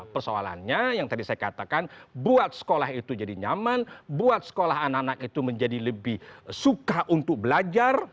persoalannya yang tadi saya katakan buat sekolah itu jadi nyaman buat sekolah anak anak itu menjadi lebih suka untuk belajar